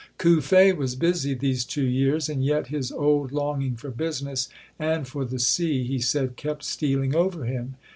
Cuffe was busy these two years and yet his old longing for business and for the sea, he said, kept stealing over him.